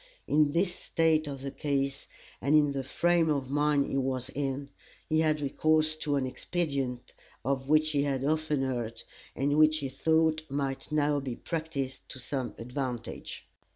In this state of the case, and in the frame of mind he was in, he had recourse to an expedient of which he had often heard, and which he thought might now be practised to some advantage.